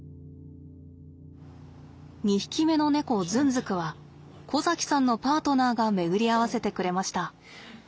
２匹目の猫ズンズクはこざきさんのパートナーが巡り合わせてくれました。